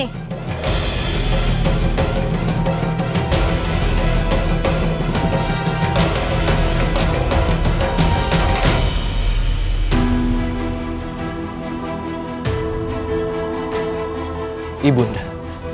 yuda oke deh